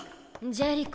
⁉ジェリコ